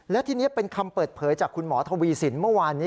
และทีนี้เป็นคำเปิดเผยจากคุณหมอทวีสินเมื่อวานนี้